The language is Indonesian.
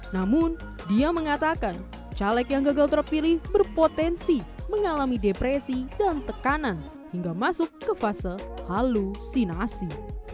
namun dia mengatakan caleg yang gagal terpilih berpotensi mengalami depresi dan tekanan hingga masuk ke fase halusinasi